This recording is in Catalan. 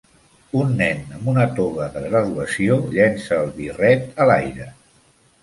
Un nen amb una toga de graduació llença el birret a l'aire.